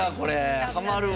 ハマるわ。